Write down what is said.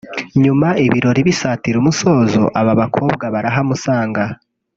nyuma ibirori bisatira umusozo aba bakobwa barahamusanga